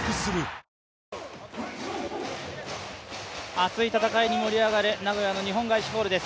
熱い戦いに盛り上がる名古屋の日本ガイシホールです。